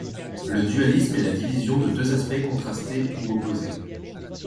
Le dualisme est la division de deux aspects contrastés ou opposés.